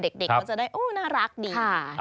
สวยงามไงเด็กก็จะได้อู้วน่ารักดี